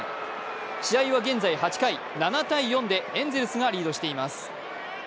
試合は現在８回、７−４でエンゼルスがリードしています。